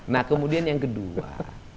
nah kemudian yang kedua